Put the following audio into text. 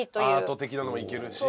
アート的なのもいけるし。